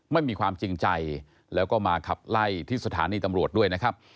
ไม่มีความจริงใจแล้วก็มาขับไล่ที่สถานีตำรวจด้วยนะครับ